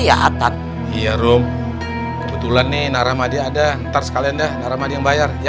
iya atas iarum betulan nih naramadi ada ntar sekalian dah naramadi yang bayar ya